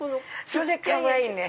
それかわいいね。